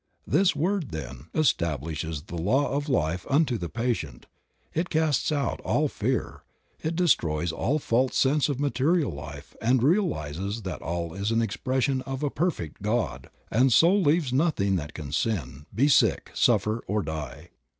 This word then establishes the law of life unto the patient, it casts out all fear, it destroys all false sense of a material life and realizes that all is an expression of a perfect God; and so leaves nothing that can sin, be sick, suffer or die.